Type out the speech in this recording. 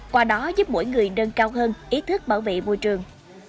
qua đó giúp mỗi người nâng cao hơn ý thức bảo vệ môi trường